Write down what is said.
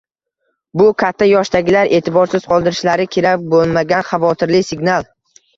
Bu katta yoshdagilar e’tiborsiz qoldirishlari kerak bo‘lmagan xavotirli signal.